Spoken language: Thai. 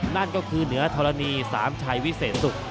นั่นก็คือเหนือธรณีสามชัยวิเศษศุกร์